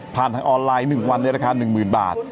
ทางออนไลน์๑วันในราคา๑๐๐๐บาท